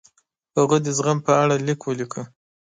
هغه د زغم په اړه لیک ولیکه.